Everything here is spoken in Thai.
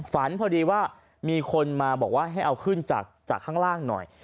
ฝันพอดีว่ามีคนมาบอกว่าให้เอาขึ้นจากข้างล่างหน่อย